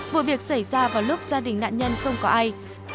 vụ việc xảy ra vào lúc gia đình nạn nhân không có ai